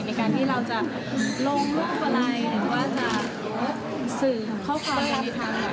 ในการที่เราจะลงรูปอะไรหรือว่าจะสื่อข้อความในทาง